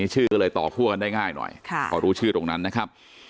ชื่อก็เลยต่อคั่วกันได้ง่ายหน่อยพอรู้ชื่อตรงนั้นนะครับ